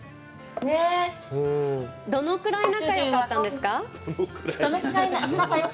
どのくらい仲がよかったんですか？